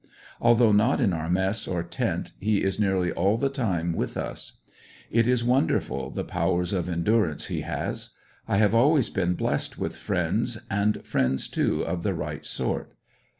Although not in our mess or tent, he is nearly all the time with us. It is wonderful the powers of endur ance he has. I have always been blessed with friends, and friends, too, of the right sort.